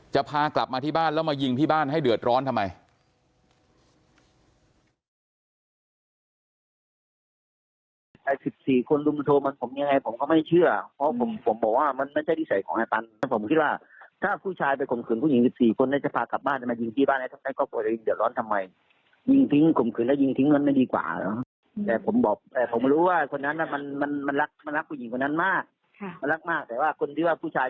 พากลับมาที่บ้านแล้วมายิงที่บ้านให้เดือดร้อนทำไม